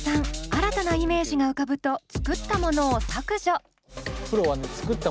新たなイメージが浮かぶと作ったものを削除。